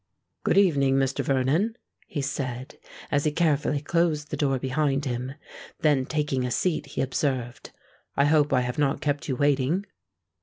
"Good evening, Mr. Vernon," he said, as he carefully closed the door behind him: then, taking a seat, he observed, "I hope I have not kept you waiting."